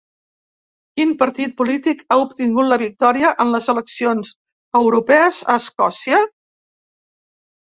Quin partit polític ha obtingut la victòria en les eleccions europees a Escòcia?